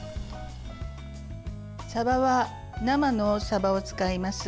さばは、生のさばを使います。